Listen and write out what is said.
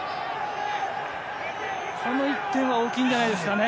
この１点は大きいんじゃないですかね。